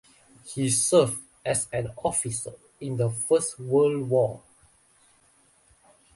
He served as an officer in the First World War.